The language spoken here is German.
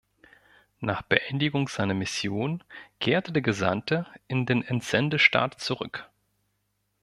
Nach Beendigung seiner Mission kehrte der Gesandte in den Entsendestaat zurück.